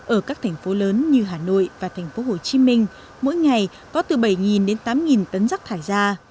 ở các thành phố lớn như hà nội và thành phố hồ chí minh mỗi ngày có từ bảy đến tám tấn rắc thải ra